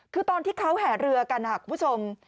คือตอนที่เขาแห่เรือกันค่ะคุณผู้ชม